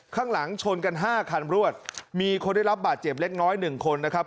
ข้างหลังชนกันห้าคันรวดมีคนได้รับบาดเจ็บเล็กน้อยหนึ่งคนนะครับ